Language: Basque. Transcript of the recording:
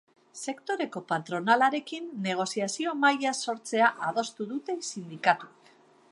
Sektoreko patronalarekin negoziazio mahaia sortzea adostu dute sindikatuek.